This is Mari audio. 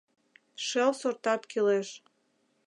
Шел сортат кӱлеш.